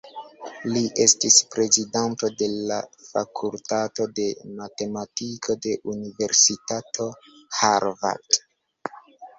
Li estis prezidanto de la fakultato de matematiko de Universitato Harvard.